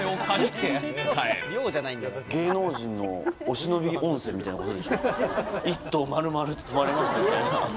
芸能人のお忍び温泉みたいなことですよね。